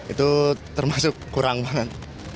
itu termasuk kurang banget